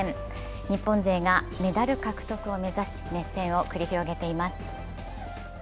日本勢がメダル獲得を目指し、熱戦を繰り広げています。